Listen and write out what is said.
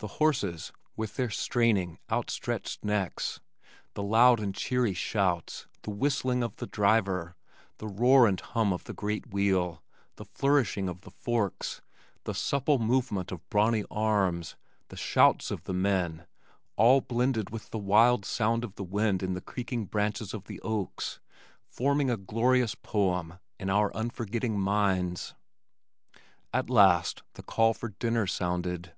The horses, with their straining, out stretched necks, the loud and cheery shouts, the whistling of the driver, the roar and hum of the great wheel, the flourishing of the forks, the supple movement of brawny arms, the shouts of the men, all blended with the wild sound of the wind in the creaking branches of the oaks, forming a glorious poem in our unforgetting minds. At last the call for dinner sounded.